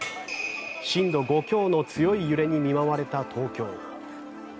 震度５強の強い揺れに見舞われた東京。